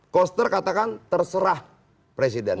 koster katakan terserah presiden